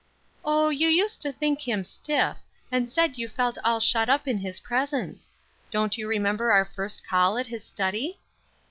"Oh, you used to think him stiff, and said you felt all shut up in his presence. Don't you remember our first call at his study?"